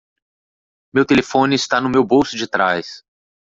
Meu telefone está no meu bolso de trás.